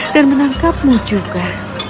dan menangkapmu juga